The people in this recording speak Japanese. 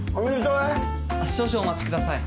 少々お待ちください。